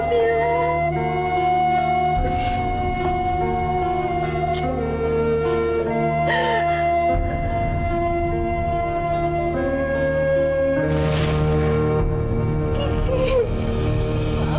keadaan di sini tidak baik pak